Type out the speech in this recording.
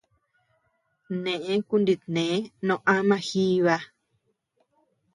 Neʼë kunitnee noo ama jiiba.